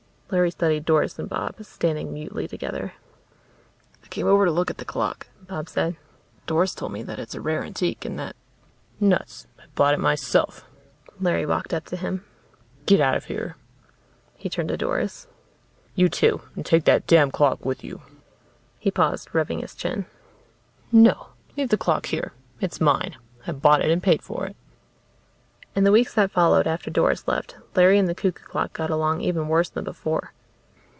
Larry studied Doris and Bob, standing mutely together. "I came over to look at the clock," Bob said. "Doris told me that it's a rare antique and that " "Nuts. I bought it myself." Larry walked up to him. "Get out of here." He turned to Doris. "You too. And take that damn clock with you." He paused, rubbing his chin. "No. Leave the clock here. It's mine; I bought it and paid for it." In the weeks that followed after Doris left, Larry and the cuckoo clock got along even worse than before.